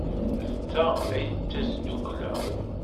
D ta ay d tasdukla.